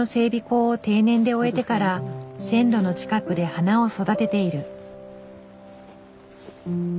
工を定年で終えてから線路の近くで花を育てている。